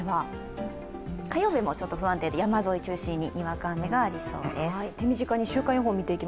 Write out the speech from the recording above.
火曜日も不安定で山沿いを中心ににわか雨がありそうです。